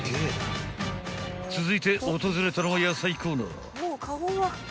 ［続いて訪れたのは野菜コーナー］